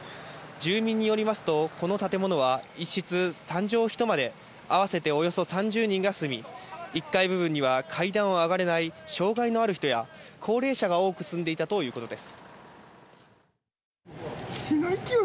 住民によりますと、この建物は一室３畳１間で合わせておよそ３０人が住み、１階部分には階段を上がれない障害のある人や、高齢者が多く住んでいたということです。